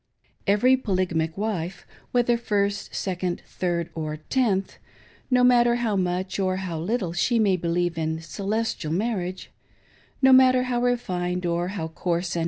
Every polygamic wife — whether first, second, third, or tenth — no matter how much or how little she may believe in " Celestial Marriage" ; no matter how refined or how coarse and INTERVIEWING THE SAINTS.